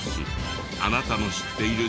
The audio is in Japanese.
あなたの知っている珍百景